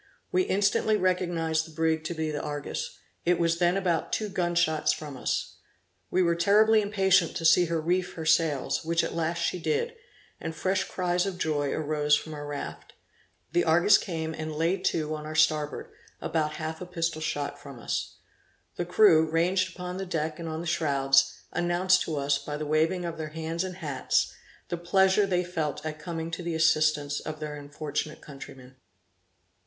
We instantly recognised the brig to be the Argus; it was then about two gunshots from us. We were terribly impatient to see her reef her sails, which at last she did, and fresh cries of joy arose from our raft. The Argus came and lay to on our starboard, about half a pistol shot from us. The crew, ranged upon the deck and on the shrouds, announced to us, by the waving of their hands and hats, the pleasure they felt at coming to the assistance of their unfortunate countrymen.